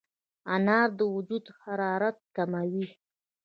انار د وجود حرارت کموي.